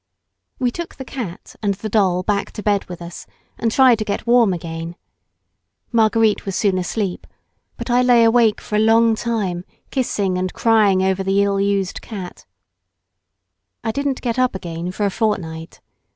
We took the cat and the doll back to bed with us and tried to get warm again. Marguerite was soon asleep, but I lay awake for a long time kissing and crying over the ill used cat. I didn't get up again for a fortnight.